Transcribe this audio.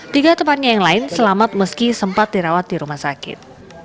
tiga temannya yang lain selamat meski sempat dirawat di rumah sakit